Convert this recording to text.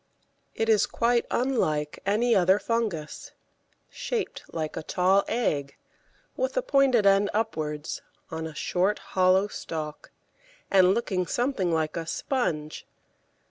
It is quite unlike any other fungus; shaped like a tall egg, with the pointed end upwards, on a short, hollow stalk, and looking something like a sponge.